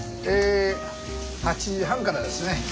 え８時半からですね。